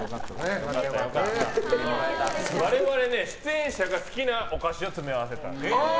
我々、出演者が好きなお菓子を詰め合わせました。